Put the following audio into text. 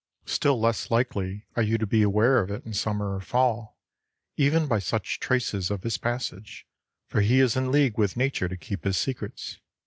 Still less likely are you to be aware of it in summer or fall, even by such traces of his passage, for he is in league with nature to keep his secrets.